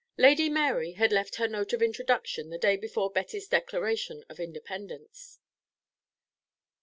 Lady Mary had left her note of introduction the day before Betty's declaration of independence.